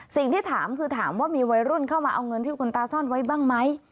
สิ่งที่ถามคือถามว่ามีวัยรุ่นเข้ามาเอาเงินที่คุณตาซ่อนไว้บ้างไหม